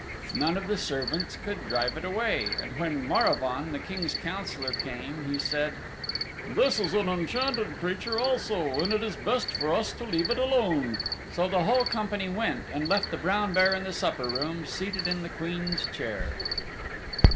None of the servants could drive it away, and when Maravaun, the King's Councillor, came he said, "This is an enchanted creature also, and it is best for us to leave it alone." So the whole company went and left the brown bear in the supper room seated 'in the Queen's chair.